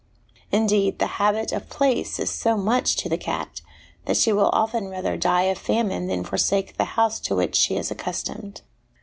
Indeed, the habit of place is so much to the cat, that she will often rather die of famine than forsake the house to which she is accustomed.